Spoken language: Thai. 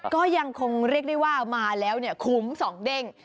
ก็ยังคงเรียกได้ว่ามาแล้วคุ้มสองเด้ง